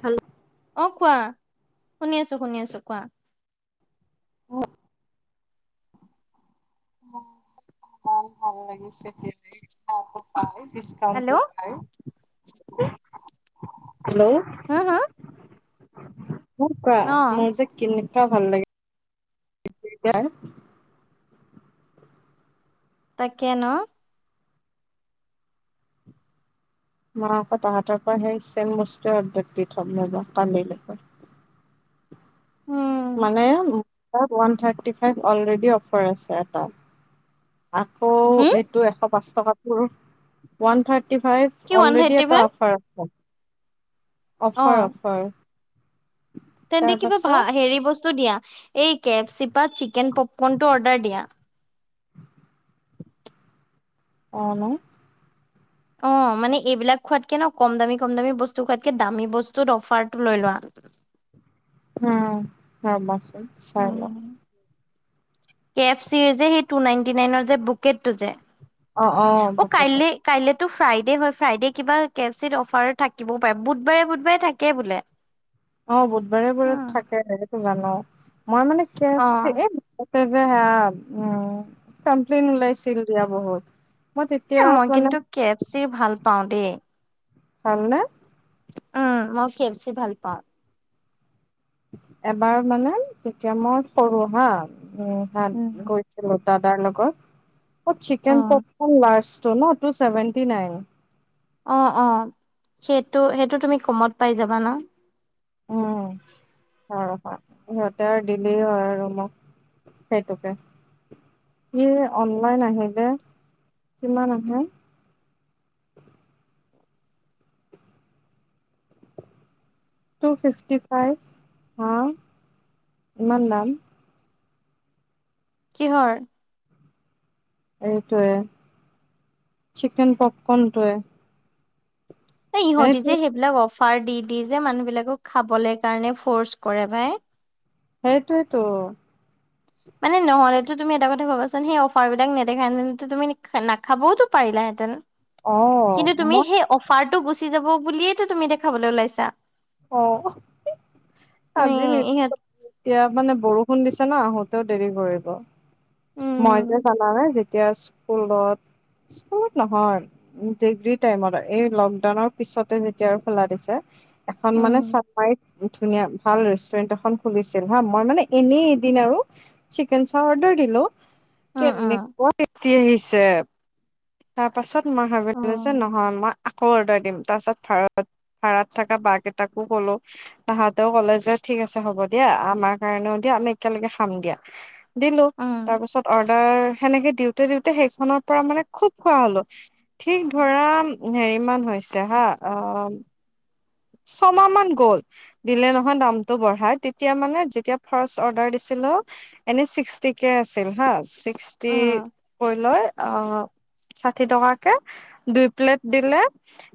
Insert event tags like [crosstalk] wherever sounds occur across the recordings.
Hello অ' কোৱা শুনি আছো, শুনি আছো কোৱা। বহুত ভাল লাগিছে খেলি অফাৰটো পাই হেল্ল' [unintelligible] পাই। হেল্লো' হা, হা মোক কোৱা অ মোৰ যে কেনেকুৱা ভাল লাগে। যায় তাকে ন! মই আকৌ তাহাঁতৰ পৰা সেই চেম বস্তুৱে অৰ্ডাৰ দি থ'ম এবা কান্দিলকে। উম মানে for one thirty five already offer আছে এটা। আকৌ হম এইটো এশ পাঁচ টকাটোৰ ওৱান থাৰ্টি ফাইভ। কি ওৱান অলৰেডি থাৰ্টি এটা ফাইভ অফাৰ আছে। অ অফাৰ, অফাৰ। তেন্তে কিবা ভা তাৰপাছত হেৰি বস্তু দিয়া এই কে এফ চি পা চিকেন পপকন টো অৰ্ডাৰ দিয়া। অ ন। অ মানে এইবিলাক খোৱাতকে ন কম দামী কম দামী বস্তু খোৱাতকে দামী বস্তুত অফাৰ টো লৈ লোৱা। উম, ৰবাচোন চাই ল‌ও। কে এফ চিৰ যে সেই টু নাইনটি নাইনৰ যে বুকেটটো যে, অ' অ বুকেটো কাইলে - কাইলেতো ফ্ৰাইডে হয় ফ্ৰাইডে কিবা কে এফ চিত অফাৰ থাকিবও পাৰে। বুধবাৰে বুধবাৰে থাকে বোলে। অ বুধবাৰে বাৰত থাকে, সেইটো জানো। মই মানে কে এফ অ চি এই - ততে যে হেয়া উম কমপ্লেইন উলাইছিল দিয়া বহুত মই তেতি- এ মই কিন্তু কে এফ চিৰ ভাল পাওঁ দেই। ভাল নে? আ আ মই কে এফ চি ভাল পাওঁ। এবাৰ মানে তেতিয়া মই সৰু হা, হাত গৈ - উম। গৈছিলোঁ দাদাৰ লগত। অ চিকেন অ', পপকন লাৰ্জটো ন, টুছেভেন্টী নাইন। অ অ, সেইটো সেইটো তুমি কমত পাই যাবা ন। উম উম, চাও ৰবা। সিহঁতে আৰু দিলেই হয় আৰু মোক। সেইটোকে। ইয়ে অনলাইন আহিলে কিমান আহে? টু ফিক্সটি ফাইভ, হা ইমান দাম? কিহৰ? এইটোৱে চিকেন পপকৰ্ন টোৱে এই ইহঁতি যে সেইবিলাক অফাৰ দি দি যে মানুহ বিলাকক খাবলে কাৰণে ফৰ্চ কৰে ভাই। সেইটোৱে টো। মানে নহ'লেতো তুমি এটা কথা ভাবাচোন সেই অফাৰ বিলাক নেদেখা হেতেন তুমি নাখাবও পাৰিলা হেঁতেন। অ কিন্তু তুমি মই সেই অফাৰটো গুচি যাব বুলিয়েই টো তুমি এতিয়া খাবলৈ ওলাইছা! অ, আজি উম [unintelligible] ইহঁত এতিয়া মানে বৰষুণ দিছে ন আহোতেও দেৰি কৈ আহিব। মই উম যে জানা নে যে- যেতিয়া স্কুলত, স্কুলত নহয়- ডিগ্ৰী টাইমত, এই লকডাউনৰ পিছতে যেতিয়া আৰু খোলা দিছে - এখন মানে উম চাফাৰিত - ধুনীয়া ভাল ৰেষ্টুৰেণ্ট এখন খুলিছিল হা, মই মানে এনেই এদিন আৰু - চিকেন চাও অৰ্ডাৰ দিলো, উম কেনেকুৱা এটি আহিছে! তাৰ পাছত মই ভাবিলো যে উম নহয়, মা- আকৌ অৰ্ডাৰ দিম, তাৰ পাছত ভাড়াত ভাড়াত থকা বা কেইটাকো কলো- তাহাঁতেও ক'লে যে ঠিক আছে হ'ব দিয়া, আমাৰ কাৰণেও দিয়া আমি একেলগে খাম দিয়া। দিলো উম উম তাৰ পিছত অৰ্ডাৰ সেনেকে দিওঁতে দিওঁতে সেইখনৰ পৰা মানে খুব খোৱা হলো ঠিক ধৰা হেৰিমান হৈছে হা অ ছমাহ মান গ'ল দিলে নহয় দামটো বঢ়াই তেতিয়া মানে যেতিয়া ফাৰ্ষ্ট অৰ্ডাৰ দিছিলো এনেই ছিক্সটিকে আছিল হা ছিক্সটি উম কৰি লৈ আহ ষাঠি টকাকে দুই প্লেট দিলে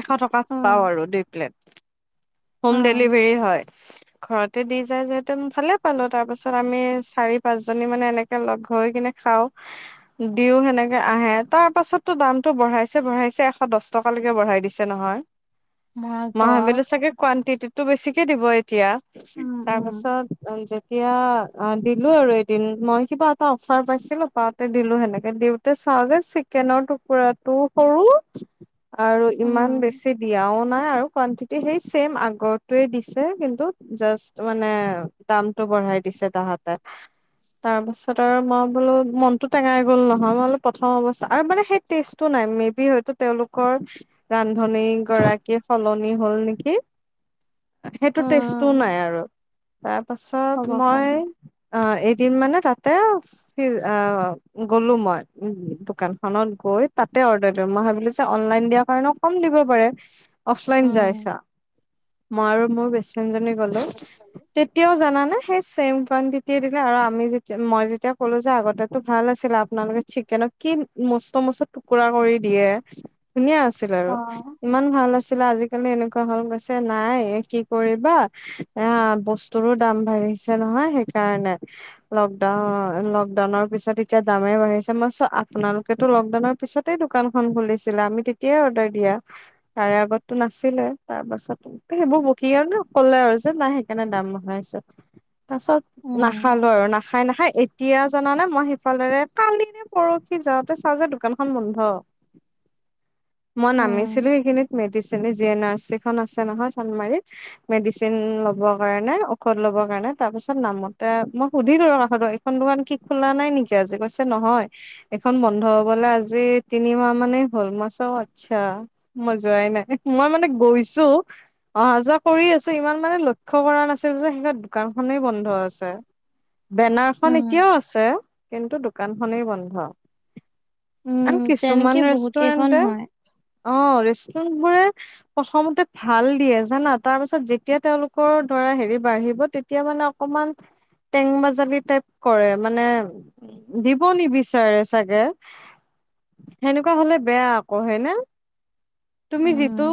এশ টকা উম। পাও আৰু দুই প্লেট হোম মাৰ ডেলিভাৰী হয় ঘৰতে দি যায় যিহেতু ভালে পালো তাৰপিছত আমি চাৰি পাঁচ জনী মানে এনেকে লগ হৈ কিনে খাও দিও সেনেকে আহে তাৰ পাছতো দামতটো বঢ়াইছে বঢ়াইছে এশ দহ টকালৈকে বঢ়াই দিছে নহয় মই ঘৰ ভাবিলোঁ চাগে কোৱানটিটিটো বেছিকে দিব এতিয়া উম উম তাৰপাছত অ যেতিয়া অ দিলো আৰু এদিন মই কিবা এটা অফাৰ পাইছিলো পাতে দিলো সেনেকে দিওঁ চাওঁ যে চিকেনৰ টুকুৰাটোও সৰু আৰু ইমান উম বেছি দিয়াও নাই আৰু কুৱণ্টিটি সেই ছেম আগতোৱে দিছে কিন্তু জাষ্ট মানে দামটো বঢ়াই দিছে তাহাতে তাৰপাছত আৰু মই বোলো মনতটো টেঙাই গ'ল নহয় মই বোলো প্ৰথম অৱস্থা আৰু মানে সেই ষ্টেটো নাই মে বি হয়তো তেওঁলোকৰ ৰান্ধনী গৰাকী সলনি হ'ল নেকি সেইটো টেষ্টো নাই উম আৰু তাৰ হ'ব পাছত পাৰে মই অ এদিন মানে তাতে স অ গলো মই দোকানখনত গৈ তাতে অৰ্ডাৰ দিলো মই ভাবিলো যে অনলাইন দিয়া কাৰণ কম দিব পাৰে অফলাইন উম যাইছা মই আৰু মোৰ বেষ্ট ফ্ৰেণ্ড জনী গলো তেতিয়াও জানানে হেই ছেম ৱান্টটিতি দিলে আৰু আমি যেতিয়া মই যেতিয়া ক'লো যে আগতে ভাল আছিলে আপোনালোকে চিকেনত কি মস্ত মস্ত টুকুৰা কৰি দিয়ে ধুনীয়া আছিল আৰু অ ইমান ভাল আছিলে আজিকালি এনেকুৱা হৈ গৈছিল নাই কি কৰিবা এ বস্তুৰো দাম বাঢ়িছে নহয় সেইকাৰণে লকডাউন লকডাউনৰ পিছত এতিয়া দামেই বাঢ়িছে মই চাওক আপোনালোকেটো লকডাউনৰ পিছত ই দোকান খন খুলিছিলা আমি তেতিয়াই অৰ্ডাৰ দিয়া তাৰে আগতো নাছিলে তাৰ পাছত সেইবোৰ বকি আৰু নে কলে আৰু যে নাই সেইকাৰণে দাম বহাইছো তাৰ পাছত উম নাখালো আৰু নাখাই নাখায় এতিয়া জানানে মই সিফালেৰে কালি নে পৰহি যাওঁতে চাওঁ যে দোকানখন বন্ধ মই উম নামিছিলো এইখিনিত মেডিচনে জি এন আৰ চি খন আছে নহয় চানমাৰীত মেডিচিন ল'ব কাৰণে ঔষধ লব কাৰণে তাৰ পিছত নামোতে মই সুধিলো আৰু এইখন দোকান কি খোলা নাই নেকি আজি কৈছে নহয় এখন বন্ধ হবলে আজি তিনিমাহ মানে হ'ল মাই চাও আচ্ছা মই যোৱাই নাই মই মানে গৈছো অহা যোৱা কৰি আছো ইমান মানে লক্ষ্য কৰা নাছিল যে সেইতাত দোকান খনেই বন্ধ আছে বেনাৰখন উম এতিয়াও আছে কিন্তু দোকানখনেই বন্ধ উম আ তেনেকে কিছুমান বহুত কেইখন ৰেষ্টুৰেণ্টে হয় অ ৰেষ্টুৰেণ্ট বোৰে প্ৰথমতে ভাল দিয়ে জানা তাৰ পাছত যেতিয়া তেওঁলোকৰ ধৰা হেৰি বাঢ়িব তেতিয়া মানে অকমান টেং বাজালি টাইপ কৰে মানে দিব নিবিচাৰে চাগে সেনেকুৱা হলে বেয়া আকৌ হয়ে ন? তুমি উম যিটো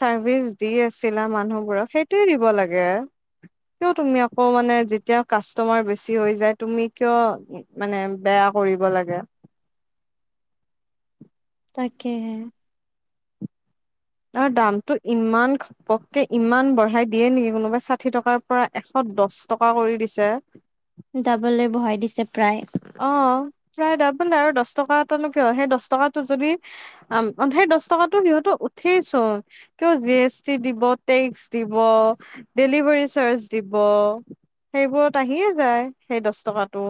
চাৰ্ভিচ দি আছিলা মানুহবোৰক সেইটোৱে দিব লাগে। কিয় তুমি আকৌ মানে যেতিয়া কাষ্টমাৰ বেছি হৈ যায়, তুমি কিয় মানে বেয়া কৰিব লাগে। তাকেহে! আ, দামটো ইমান পককে ইমান বঢ়াই দিয়ে নেকি কোনোবাই? ষাঠি টকাৰ পৰা এশ দশ টকা কৰি দিছে। দাবলে বহাই দিছে প্ৰায়। অ প্ৰায় ডাবল আৰু দহ টকা এটানো কিয়? সেই দহ টকাটো যদি আ সেই দহ টকাতো সিহঁতৰ উঠেই চুন। কিয়? জি এছ টি দিব, টেক্স দিব, ডেলিভাৰী চাৰ্জ দিব, সেইবোৰত আহিয়ে যায় সেই দহ টকাটো।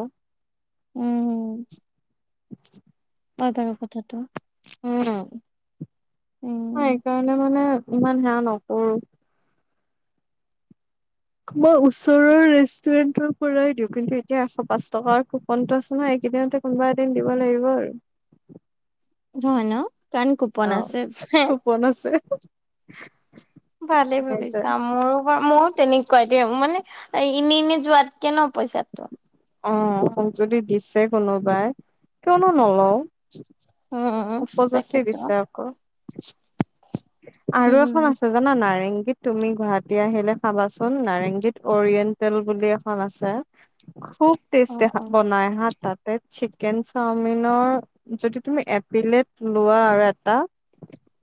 উম! হয় বাৰু কথাটো। উম! উম! মই সেইকাৰণে মানে ইমান সেয়া নকৰো। মই, ওচৰৰ ৰেষ্টুৰেন্টৰ পৰাই দিওঁ কিন্তু এতিয়া এশ পাঁচ টকাৰ কোপনটো আছে নহয়, এইকেইদিনতে কোনোবা এদিন দিব লাগিব আৰু। সেইটো হয় ন, কাৰণ কুপন আছে। পন আছে ভালেই সেইটোৱে ভাবিছা, মোৰো মইও তেনেক কয় দিম! মানে এনে এনে যোৱাতকে ন পইচাটো। অ মোক যদি দিছে কোনোবাই, কিয়নো নলওঁ। উম, উপযাচি তাকেটো। দিছে আকৌ। আৰু এখন আছে জানা নাই? ৰেংগীত তুমি গুৱাহাটী আহিলে খাবাচোন, নাৰেংগীত অৰিয়েণ্টেল বুলি এখন আছে। খুব অ টেষ্ট অ বনাই হা তাতে। চিকেন চাওমিনৰ যদি তুমি এপিলেত লোৱা, আৰু এটা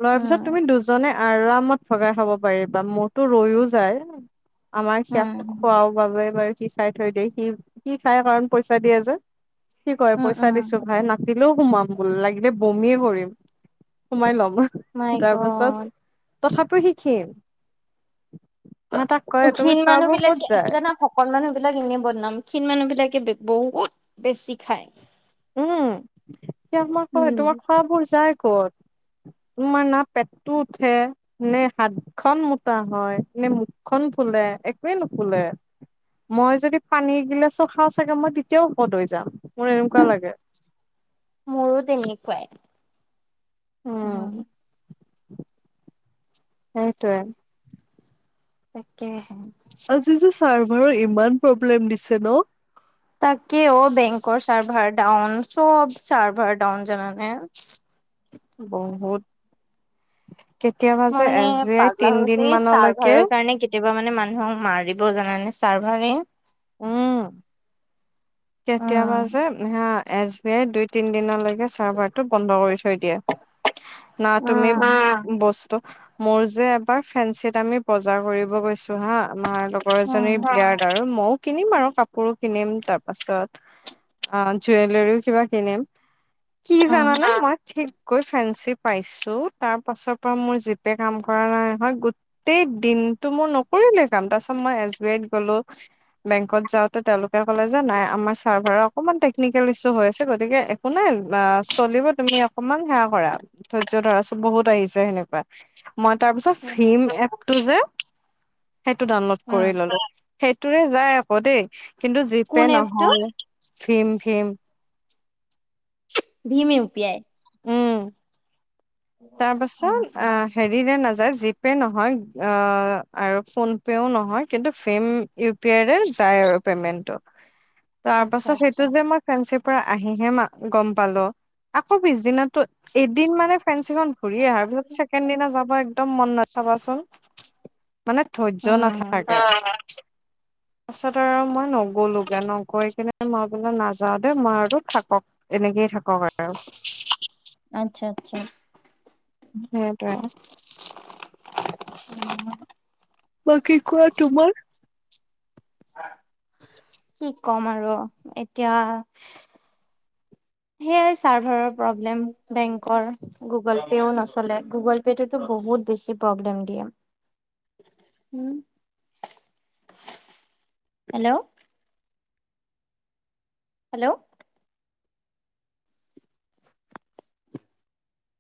লোৱাৰ পিছত উম তুমি দুজনে আৰামত ভগাই খাব পাৰিবা! মোৰতো ৰৈও যায়। আমাৰ উম হিয়াক খোৱাও বাবে বাৰু সি খাই থৈ দিয়ে, সি-সি খাই কাৰণ পইচা দিয়ে যে। কি কয় উম পইচা উম দিছো ভাই না। দিলেও সোমাম বোল লাগিলে বমিয়ে কৰিম, সোমাই ল'ম। মাই তাৰ পাছত, গড তথাপিও সি ক্ষীন। মই তাক কয় তুমি ক্ষীণ মানুহ খোৱাবোৰ বিলাকে ক'ত যায়? জানা শকত মানুহ বিলাক এনেই বদনাম, ক্ষীণ মানুহ বিলাকে বহুত বেছি খায়। উম! হিয়াক মই কও! উম তোমাৰ খোৱাবোৰ যায় ক'ত? তোমাৰ না পেটটো উঠে, নে হাতখন মোটা হয়, নে মুখখন ফুলে, একোৱেই নুফুলে। মই যদি পানী এগিলাচো খাওঁ চাগে! মই তেতিয়াও শকত হৈ যাম, মোৰ এনেকুৱা লাগে। মোৰো তেনেকুৱাই, উম! সেইটোয়ে! তাকেহে আজি, যে চাৰ্ভাৰৰ ইমান প্ৰব্লেম দিছে অ। তাকে, অ বেংকৰ চাৰ্ভাৰ ডাউন, চব চাৰ্ভাৰ ডাউন জানানে? বহুত কেতিয়াবা মই যে মানে এছ বি আই পাগলা তিন হৈ গৈছো দিন এই মানলৈকে। চাৰ্ভাৰৰ কাৰণে কেতিয়াবা মানে মানুহক মাৰিবও জান নে ছাৰ মাৰে। উম। কেতিয়াবা উম যে এছ বি আই দুই তিন দিনলৈকে চাৰ্ভাৰ টো বন্ধ কৰি থৈ দিয়ে। ন তুমি ব উম মোৰ যে এবাৰ ফেঞ্চিত আমি বজাৰ কৰিব গৈছো। হা মাৰ লগৰ উম এজনীৰ বিয়াৰ আৰু মইও কিনিম আৰু কাপোৰো কিনিম তাৰ পাছত অ জুৱেলৰীও কিবা কিনিম কি উম জানানে মই ঠিক কৈ ফেঞ্চি পাইছো তাৰ পাছৰ পৰা মোৰ জিপে কাম কৰা নাই নহয়ো গোটেই দিনটো মোৰ নকৰিলেই কাম তাৰ পিছত মই এচ বি আইত গলো। বেংকত যাওঁতে তেওঁলোকে কলে যে। নাই আমাৰ চাৰ্ভাৰৰ অকনমান টেকনিকেল ইছো হৈ আছে গতিকে একো নাই চলিব তুমি অকমান সেৱা কৰা ধৈৰ্য ধৰা চ বহুত আহিছে সেনেকুৱা মই তাৰ পিছত উম ফেম এপটো যে সেইটো ডাউনলোড কৰি উম ললো। সেইটোৰে যায় আকৌ দেই কিন্তু জি কোন পে এপটো নহয় ভীম ভীম। ভীম উ পি আই। উম। তাৰপাছত উম আহ। হেৰি ন নাযায় জিপে নহয় আৰু ফোন পেও নহয় কিন্তু ফেম ইউ পি আই যায় আৰু পেমেন্টটো তাৰ আচ্ছা পাছত আচ্ছা সেইটো যে মই, ফেঞ্চি পৰা আহিহে মই গম পালো আকৌ পিছদিনা এদিন মানে ফেঞ্চি খন। ঘূৰি অহাৰ পিছত ছেকেণ্ড দিনা যাব একদম মন নাথাবাচোন। মানে ধৈৰ্য উম, নাথাকে। তাৰপাছত আৰু মই নগলোগে নগৈ কিনে মই বোলে নাযাও দে মই আৰুটো থাকক। এনেকেইয় থাকক আৰু। আচ্ছা আচ্ছা। সেইটোৱে। উম। বা কি কোৱা তোমাৰ? কি কম আৰু এতিয়া। সেইয়াই চাৰ্ভাৰৰ প্ৰব্লেম বেংকৰ। গুগল পেও নচলে গুগল পে'টোতো বহুত বেছি প্ৰব্লেম দিয়ে। হেল্ল'। হেল্ল'।